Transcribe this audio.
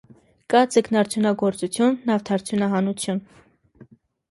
Կա ձկնարդյունագործություն, նավթարդյունահանություն։